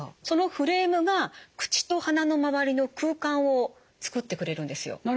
そのフレームが口と鼻の周りの空間を作ってくれるんですよ。